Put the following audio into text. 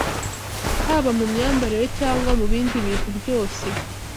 Haba mu myambarire cyangwa mu bindi bintu byose